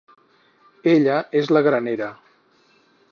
Ella és la granera.